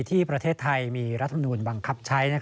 ที่ประเทศไทยมีรัฐบาลภาคฯบังคับใช้